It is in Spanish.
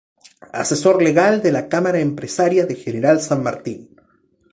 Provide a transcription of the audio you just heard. Asesor Legal de la Cámara Empresaria de General San Martín.